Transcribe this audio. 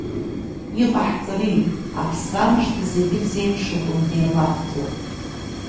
Иҟаҳҵари, аԥсра мыжда зегьы ирзеиԥшуп, уаҩ деилнахӡом.